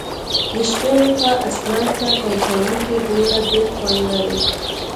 د شپي لخوا آسمان ته تنهائي کي ګوره بیل خوند لري